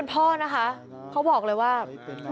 ลูกนั่นแหละที่เป็นคนผิดที่ทำแบบนี้